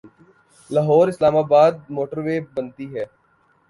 Lahore Islamabad motorway بنتی ہے۔